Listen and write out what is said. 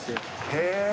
へえ。